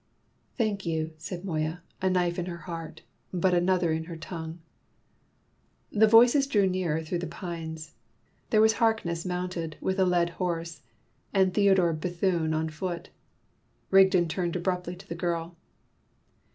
"Thank you," said Moya, a knife in her heart, but another in her tongue. The voices drew nearer through the pines; there was Harkness mounted, with a led horse, and Theodore Bethune on foot. Rigden turned abruptly to the girl.